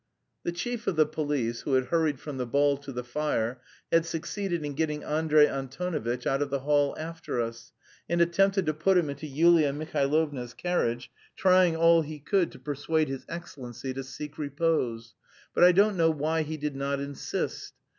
The chief of the police, who had hurried from the ball to the fire, had succeeded in getting Andrey Antonovitch out of the hall after us, and attempted to put him into Yulia Mihailovna's carriage, trying all he could to persuade his Excellency "to seek repose." But I don't know why he did not insist.